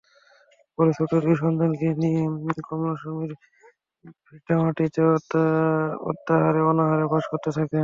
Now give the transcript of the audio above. পরে ছোট দুই সন্তানকে নিয়ে কমলা স্বামীর ভিটামাটিতে অর্ধাহারে-অনাহারে বাস করতে থাকেন।